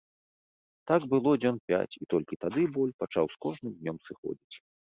Так было дзён пяць, і толькі тады боль пачаў з кожным днём сыходзіць.